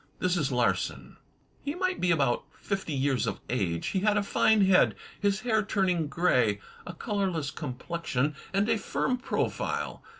This is Larsan: He might be about fifty years of age. He had a fine head, his hair turning grey; a colourless complexion, and a firm profile.